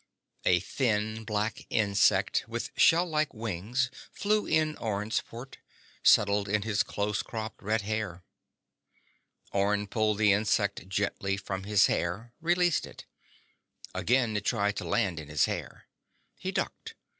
A thin black insect with shell like wings flew in Orne's port, settled in his close cropped red hair. Orne pulled the insect gently from his hair, released it. Again it tried to land in his hair. He ducked.